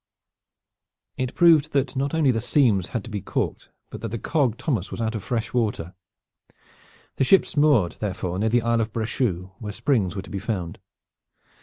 It proved that not only the seams had to be calked but that the cog Thomas was out of fresh water. The ships moored therefore near the Isle of Brechou, where springs were to be found.